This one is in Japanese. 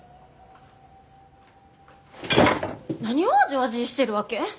何をわじわじーしてるわけ？